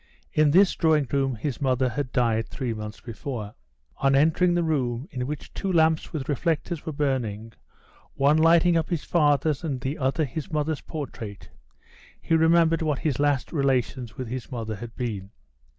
In this drawing room his mother had died three months before. On entering the room, in which two lamps with reflectors were burning, one lighting up his father's and the other his mother's portrait, he remembered what his last relations with his mother had been.